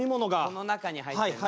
この中に入ってんの？